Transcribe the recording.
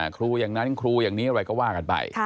ครูอย่างนั้นครูอย่างนี้อะไรก็ว่ากันไป